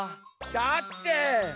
だって。